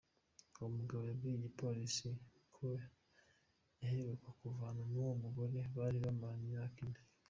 Uwo mugabo yabwiye igipolisi ko yaheruka kuvana n'uwo mugore bari bamaranye imyaka ine.